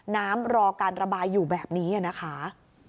รอการระบายอยู่แบบนี้นะคะ